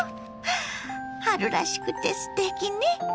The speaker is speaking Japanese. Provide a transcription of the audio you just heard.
春らしくてすてきね！